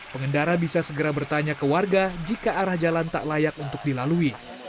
pengendara bisa segera bertanya ke warga jika arah jalan tak layak untuk dilalui